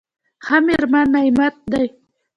ښه مېرمن نعمت دی.